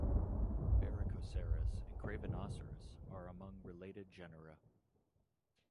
"Beyrichoceras" and "Cravenoceras" are among related genera.